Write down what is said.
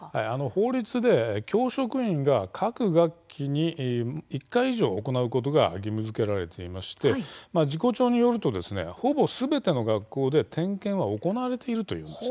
法律で教職員が各学期に１回以上行うことが義務づけられていまして事故調によると、ほぼすべての学校で点検が行われているというんです。